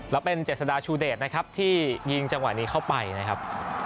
แล้วเป็นเจษฎาชูเดชนะครับที่ยิงจังหวะนี้เข้าไปนะครับ